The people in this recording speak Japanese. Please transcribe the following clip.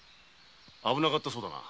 危なかったそうだな。